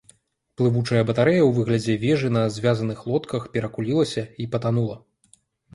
Плывучая батарэя ў выглядзе вежы на звязаных лодках перакулілася і патанула.